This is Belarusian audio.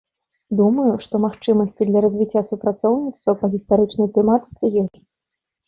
Думаю, што магчымасці для развіцця супрацоўніцтва па гістарычнай тэматыцы ёсць.